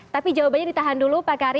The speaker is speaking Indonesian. tapi jawabannya ditahan dulu pak kari